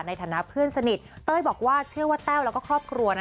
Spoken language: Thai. ในฐานะเพื่อนสนิทเต้ยบอกว่าเชื่อว่าแต้วแล้วก็ครอบครัวนะ